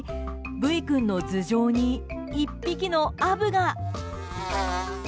ブイ君の頭上に１匹のアブが。